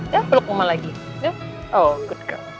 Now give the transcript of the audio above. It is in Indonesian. ya peluk oma lagi ya oh good girl